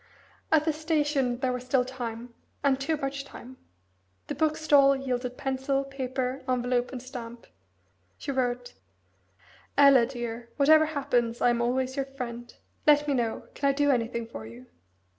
At the station there was still time, and too much time. The bookstall yielded pencil, paper, envelope, and stamp. She wrote "Ella, dear, whatever happens, I am always your friend. Let me know can I do anything for you?